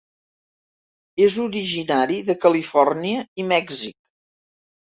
És originari de Califòrnia i Mèxic.